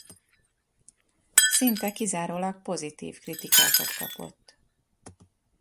Szinte kizárólag pozitív kritikákat kapott.